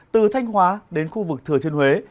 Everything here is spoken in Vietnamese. từ thanh hóa đến khu vực thừa thiên huế